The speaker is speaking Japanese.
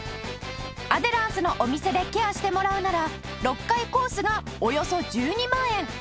アデランスのお店でケアしてもらうなら６回コースがおよそ１２万円。